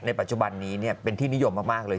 ปัจจุบันนี้เป็นที่นิยมมากเลย